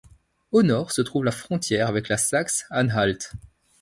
Au nord se trouve la frontière avec la Saxe-Anhalt.